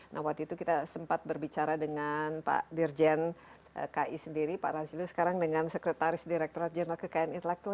nah waktu itu kita sempat berbicara dengan pak dirjen ki sendiri pak razilu sekarang dengan sekretaris direkturat jenderal kekayaan intelektual